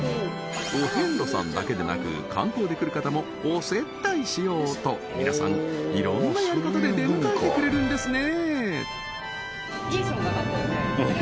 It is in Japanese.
お遍路さんだけでなくしようと皆さんいろんなやり方で出迎えてくれるんですね